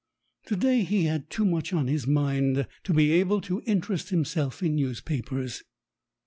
To day he had too much on his mind to be able to interest himself in newspapers.